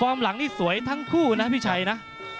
หลังนี่สวยทั้งคู่นะพี่ชัยนะ